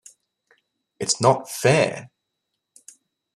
It's not fair!